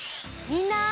みんな！